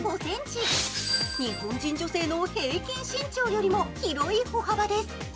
日本人女性の平均身長よりも広い歩幅です。